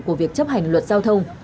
của việc chấp hành luật giao thông